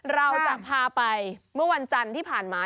เราจะพาไปเมื่อวันจันทร์ที่ผ่านมา